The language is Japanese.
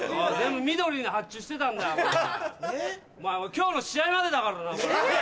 今日の試合までだからな。